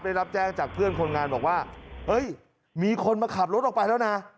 ได้รับแจ้งจากเพื่อนคนงานบอกว่าเฮ้ยมีคนมาขับรถออกไปแล้วนะ